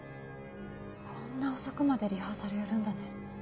こんな遅くまでリハーサルやるんだね。